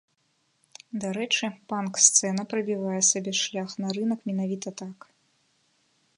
Дарэчы, панк сцэна прабівае сабе шлях на рынак менавіта так.